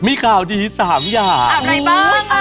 มีข่าวดี๓อย่าง